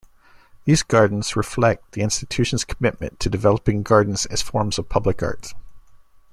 These gardens reflect the institution's commitment to developing gardens as forms of public art.